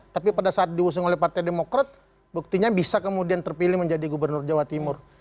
tapi pada saat diusung oleh partai demokrat buktinya bisa kemudian terpilih menjadi gubernur jawa timur